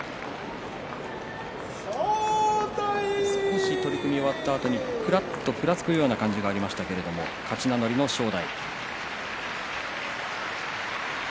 少し取組が終わったあとにふらっとふらつく感じがありましたけれども勝ち名乗りの正代。